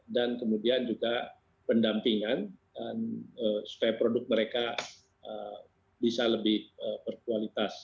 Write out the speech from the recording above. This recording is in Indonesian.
dan kemudian juga pendampingan supaya produk mereka bisa lebih berkualitas